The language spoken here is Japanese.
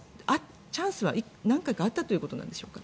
チャンスは何回かあったということでしょうか。